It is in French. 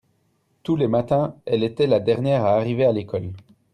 tous les matins elle était la dernière à arriver à l'école.